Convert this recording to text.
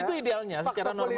itu idealnya secara normatif